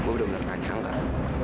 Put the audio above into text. gua udah bener bener tanya angkat